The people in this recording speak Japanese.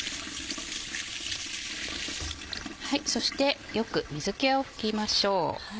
そしてよく水気を拭きましょう。